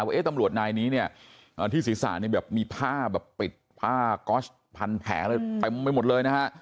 ว่าตำรวจนายนี้เนี่ยที่ศีรษะเนี่ยแบบมีผ้าแบบปิดผ้าก๊อชพันแผลอะไรเต็มไปหมดเลยนะฮะ